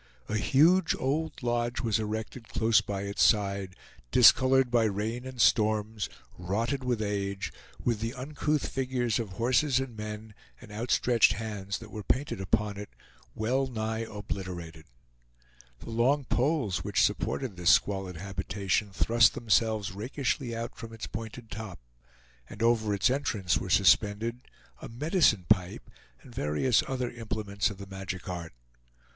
A huge old lodge was erected close by its side, discolored by rain and storms, rotted with age, with the uncouth figures of horses and men, and outstretched hands that were painted upon it, well nigh obliterated. The long poles which supported this squalid habitation thrust themselves rakishly out from its pointed top, and over its entrance were suspended a "medicine pipe" and various other implements of the magic art.